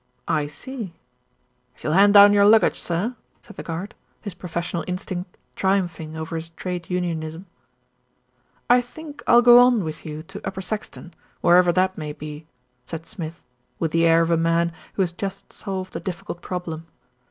"I see." "If you'll hand down your luggage, sir," said the guard, his professional instinct triumphing over his trade unionism. "I think I'll go on with you to Upper Saxton, wherever that may be," said Smith, with the air of a man who has just solved a difficult problem.